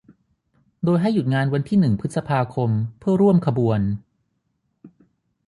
โดยให้หยุดงานวันที่หนึ่ง พฤษภาคม เพื่อร่วมขบวน